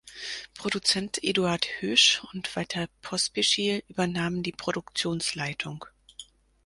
Produzent Eduard Hoesch und Walter Pospischil übernahmen die Produktionsleitung.